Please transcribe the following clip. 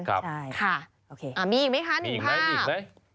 มีอีกมั้ยคะหนูภาพ